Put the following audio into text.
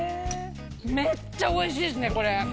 めっちゃ美味しいですねこれ。